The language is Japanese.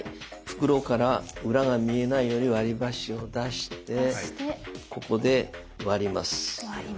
袋から裏が見えないように割りばしを出してここで割ります。